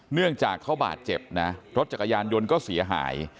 เนื่องจากเขาบาดเจ็บนะรถจักรยานยนต์ก็เสียหาย